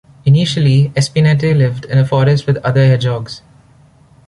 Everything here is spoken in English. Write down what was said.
Initially, Espinete lived in a forest with other hedgehogs.